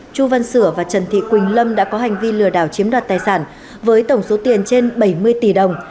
chu văn sửa và trần thị quỳnh lâm đã có hành vi lừa đảo chiếm đoạt tài sản với tổng số tiền trên bảy mươi tỷ đồng